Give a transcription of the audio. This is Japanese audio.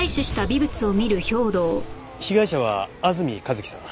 被害者は安住一輝さん。